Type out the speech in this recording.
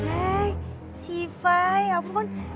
eh siva ya ampun